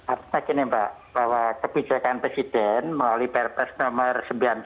apa maksudnya pak bahwa kebijakan presiden melalui prps nomor sembilan puluh lima